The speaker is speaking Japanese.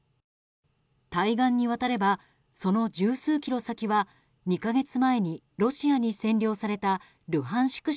対岸に渡ればその十数キロ先は２か月前にロシアに占領されたルハンシク